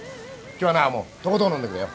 今日はなもうとことん飲んでくれよ。